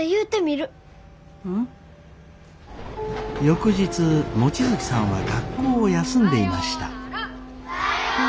翌日望月さんは学校を休んでいました。